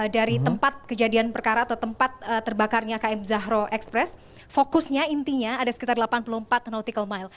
dari tempat kejadian perkara atau tempat terbakarnya km zahro express fokusnya intinya ada sekitar delapan puluh empat nautical mile